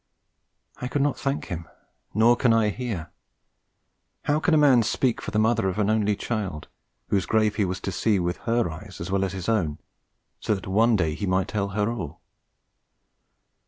I could not thank him; nor can I here. How can a man speak for the mother of an only child, whose grave he was to see with her eyes as well as with his own, so that one day he might tell her all?